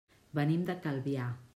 Venim de Calvià.